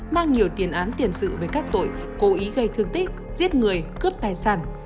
mang nhiều tiền án tiền sự về các tội cố ý gây thương tích giết người cướp tài sản